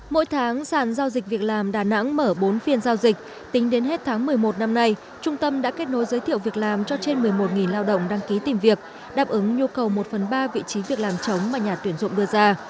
mỗi tháng sản giao dịch việc làm đà nẵng mở bốn phiên giao dịch tính đến hết tháng một mươi một năm nay trung tâm đã kết nối giới thiệu việc làm cho trên một mươi một lao động đăng ký tìm việc đáp ứng nhu cầu một phần ba vị trí việc làm chống mà nhà tuyển dụng đưa ra